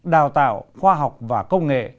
đào tạo khoa học và công nghệ